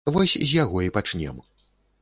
Вось з яго і пачнём.